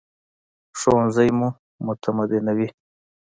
ښوونځی مو متمدنوي